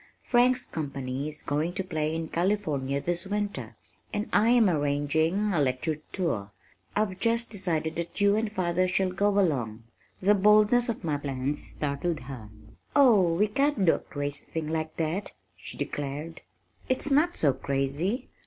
"Frank's company is going to play in California this winter, and I am arranging a lecture tour I've just decided that you and father shall go along." The boldness of my plan startled her. "Oh, we can't do a crazy thing like that," she declared. "It's not so crazy.